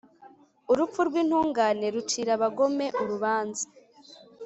Urupfu rw’intungane rucira abagome urubanza,